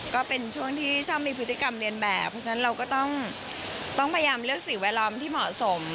ก็เป็นช่วงที่ชอบมีพฤติกรรมเรียนแบบเพราะฉะนั้นเราก็ต้องพยายามเลือกสิ่งแวดล้อมที่เหมาะสม